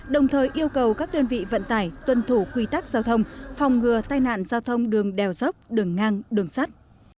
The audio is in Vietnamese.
đồng thời yêu cầu các đơn vị vận tải tuân thủ quy tắc giao thông phòng ngừa tai nạn giao thông đường đèo dốc đường ngang đường sắt